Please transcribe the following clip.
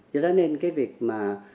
do đó nên cái việc mà